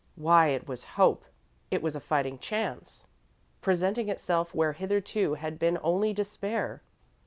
Why, it was hope; it was a fighting chance presenting itself where hitherto had been only despair!